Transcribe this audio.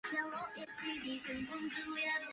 疏齿巴豆为大戟科巴豆属下的一个种。